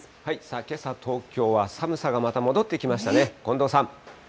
けさ、東京は寒さがまた戻ってきましたね。